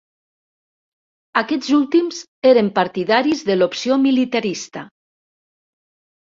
Aquests últims eren partidaris de l'opció militarista.